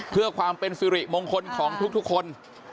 เพื่อความเป็นสิริมงคลของทุกคน